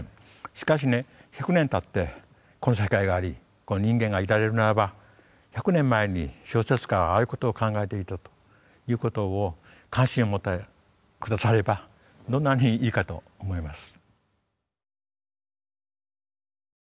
しかしね１００年たってこの世界がありこの人間がいられるならば１００年前に小説家はああいうことを考えていたということを関心を持ってくださればどんなにいいかと思います。